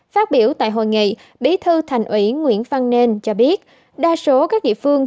phát biểu tại hội nghị bí thư thành ủy nguyễn văn nên cho biết đa số các địa phương